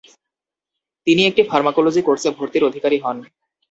তিনি একটি ফার্মাকোলজি কোর্সে ভর্তির অধিকারী হন।